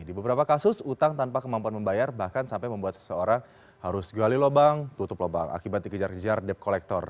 di beberapa kasus utang tanpa kemampuan membayar bahkan sampai membuat seseorang harus gali lubang tutup lubang akibat dikejar kejar debt collector